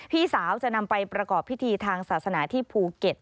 พี่สาวจะนำไปประกอบพิธีทางศาสนาที่ภูเก็ต